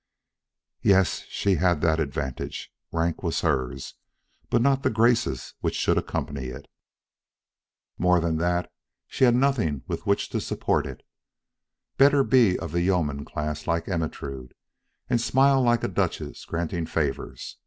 Yes, she had that advantage; rank was hers, but not the graces which should accompany it. More than that, she had nothing with which to support it. Better be of the yeoman class like Ermentrude, and smile like a duchess granting favors.